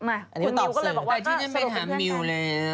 อันนี้คุณตอบเสริมแต่จิ้นยังไม่ถามมิวแล้ว